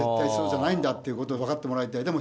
そうじゃないんだということを分かってもらいたい。